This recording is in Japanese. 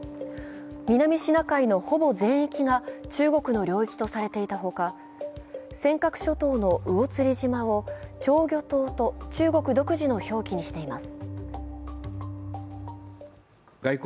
南シナ海のほぼ全域が中国の領域とされていたほか、尖閣諸島の魚釣島を釣魚島と中国独自の表記にしています。